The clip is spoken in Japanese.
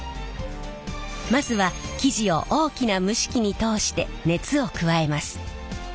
まずは生地を大きな蒸し機に通して熱を加えます。